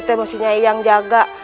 temu si nyai yang jaga